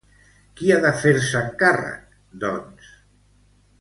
Qui ha de fer-se'n càrrec, doncs?